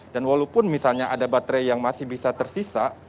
dan walaupun misalnya ada baterai yang masih bisa tersisa